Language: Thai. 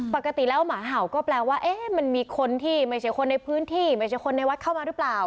ปกติแล้วหมาเห่าก็แปลว่ามันมีคนที่ไม่ใช่คนในพื้นที่ไม่ใช่คนในวัดเข้ามาหรือเปล่า